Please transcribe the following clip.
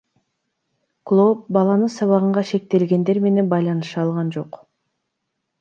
Клооп баланы сабаганга шектелгендер менен байланыша алган жок.